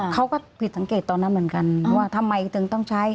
เขาก็ผิดสังเกตตอนนั้นเหมือนกันว่าทำไมถึงต้องใช้